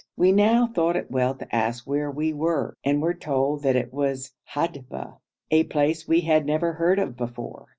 We now thought it well to ask where we were, and were told that it was Hadbeh, a place we had never heard of before.